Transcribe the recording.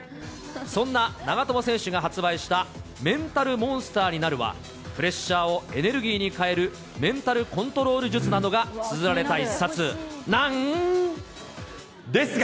そんな長友選手が発売したメンタルモンスターになるは、プレッシャーをエネルギーに変えるメンタルコントロール術などがですが。